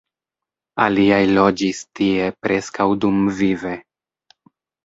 Aliaj loĝis tie preskaŭ dumvive.